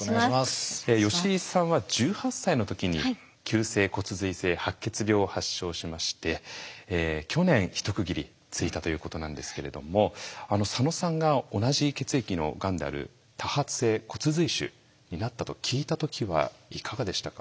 吉井さんは１８歳の時に急性骨髄性白血病を発症しまして去年一区切りついたということなんですけれども佐野さんが同じ血液のがんである多発性骨髄腫になったと聞いた時はいかがでしたか？